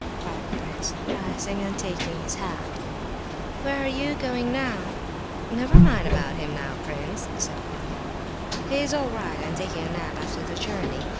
cried the prince, rising and taking his hat. "Where are you going to now?" cried Mrs. Epanchin. "Never mind about him now, prince," said Colia. "He is all right and taking a nap after the journey.